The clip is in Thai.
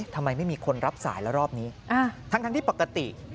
ทำไมไม่มีคนรับสายแล้วรอบนี้ทั้งที่ปกติ